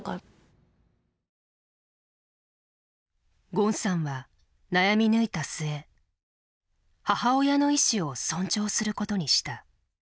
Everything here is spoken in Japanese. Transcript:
ゴンさんは悩み抜いた末母親の意志を尊重することにした。